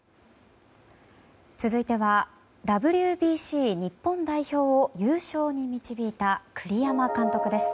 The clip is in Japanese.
続いてはＷＢＣ日本代表を優勝に導いた栗山監督です。